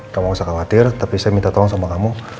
gak usah khawatir tapi saya minta tolong sama kamu